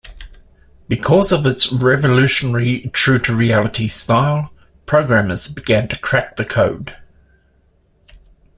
Because of its revolutionary true-to-reality style, programmers began to crack the code.